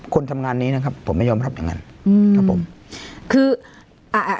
คนทำงานนี้นะครับผมไม่ยอมรับอย่างงั้นอืมครับผมคืออ่าอ่า